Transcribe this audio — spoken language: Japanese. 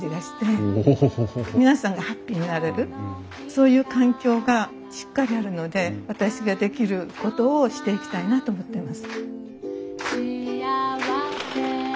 皆さんがハッピーになれるそういう環境がしっかりあるので私ができることをしていきたいなと思ってます。